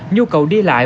nhu cầu đi lại